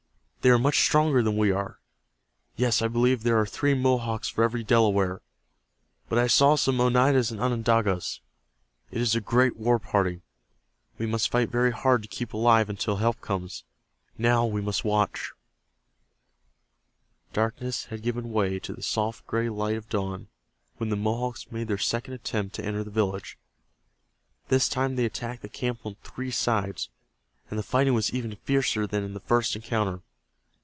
They are much stronger than we are. Yes, I believe there are three Mohawks for every Delaware. But I saw some Oneidas and Onondagas. It is a great war party. We must fight very hard to keep alive until help comes. Now we must watch." Darkness had given way to the soft gray light of dawn when the Mohawks made their second attempt to enter the village. This time they attacked the camp on three sides, and the fighting was even fiercer than in the first encounter.